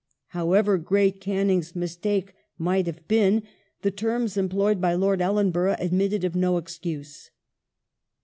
However great Canning's mistake might have been, the terms employed by Lord Ellenborough admitted of no excuse.